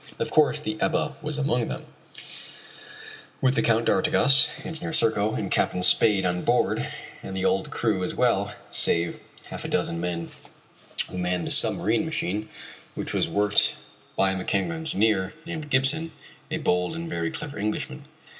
Of course the Ebba was among them, with the Count d'Artigas, Engineer Serko, and Captain Spade on board, and the old crew as well, save half a dozen men who manned the submarine machine, which was worked by a mechanical engineer named Gibson, a bold and very clever Englishman.